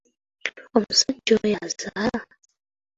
Omusajja oyo azaala?